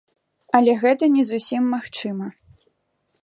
Але гэта не зусім магчыма.